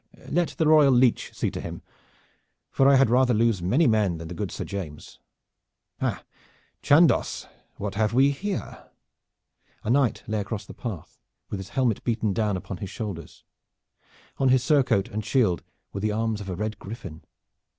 "Let the royal leech see to him; for I had rather lose many men than the good Sir James. Ha, Chandos, what have we here?" A knight lay across the path with his helmet beaten down upon his shoulders. On his surcoat and shield were the arms of a red griffin.